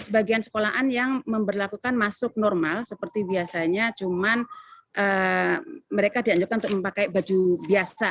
sebagian sekolahan yang memperlakukan masuk normal seperti biasanya cuman mereka dianjurkan untuk memakai baju biasa